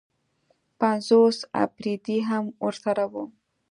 پنځوس اپرېدي هم ورسره وو.